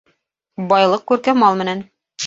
Байлыҡ күрке мал менән